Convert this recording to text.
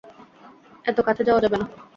এত কাছে যাওয়া যাবে না।